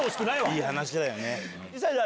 いい話だよね。